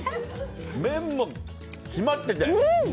麺も締まってて。